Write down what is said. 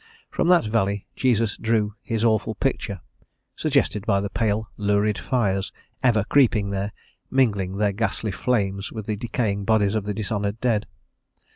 From that valley Jesus drew his awful picture, suggested by the pale lurid fires ever creeping there, mingling their ghastly flames with the decaying bodies of the dishonoured dead.